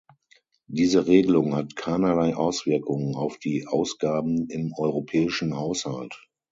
Diese Regelung hat keinerlei Auswirkung auf die Ausgaben im Europäischen Haushalt.